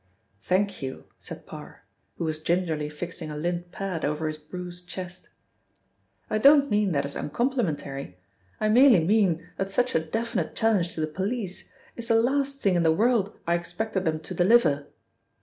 "Thank you," said Parr, who was gingerly fixing a lint pad over his bruised chest. "I don't mean that as uncomplimentary; I merely mean that such a definite challenge to the police is the last thing in the world I expected them to deliver."